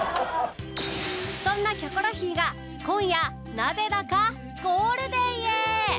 そんな『キョコロヒー』が今夜なぜだかゴールデンへ！